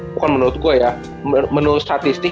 bukan menurut gue ya menurut statistik